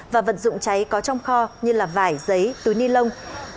và vật dụng cháy có trong kho như là vải giấy túi ni lông